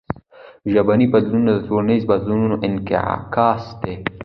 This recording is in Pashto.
ژبنی بدلون د ټولنیزو بدلونونو انعکاس دئ.